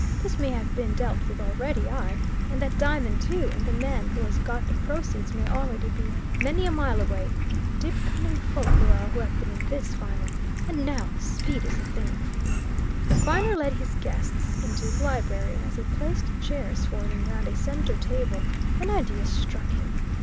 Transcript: This may have been dealt with already aye, and that diamond too; and the man who has got the proceeds may already be many a mile away. Deep, cunning folk they are who have been in this, Viner. And now speed is the thing!" Viner led his guests into his library, and as he placed chairs for them round a centre table, an idea struck him.